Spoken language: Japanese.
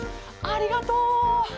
ありがとう！